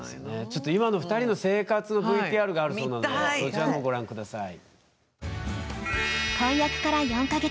ちょっと今の２人の生活のＶＴＲがあるそうなのでそちらのほうご覧下さい。